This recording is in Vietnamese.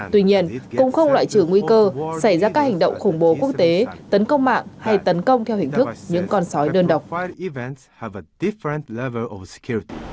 tuy nhiên cũng không loại trừ nguy cơ xảy ra các hành động khủng bố quốc tế tấn công mạng hay tấn công theo hình thức những con sói đơn độc